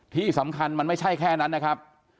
ที่สำคัญมันไม่ใช่แค่นั้นนะครับ